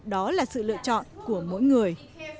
đó là sự lựa chọn của mỗi người